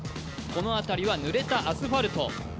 この辺りはぬれたアスファルト。